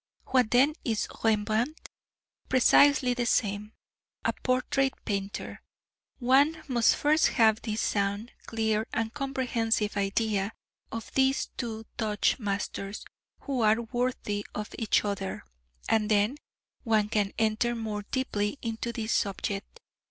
What then is Rembrandt? Precisely the same, a portrait painter! One must first have this sound, clear and comprehensive idea of these two Dutch masters, who are worthy of each other, and then one can enter more deeply into this subject.